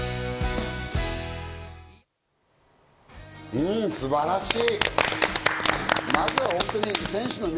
うん、素晴らしい。